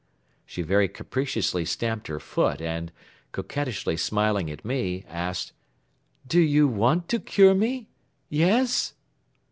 She very capriciously stamped her foot and, coquettishly smiling at me, asked: "Do you want to cure me? Yes?"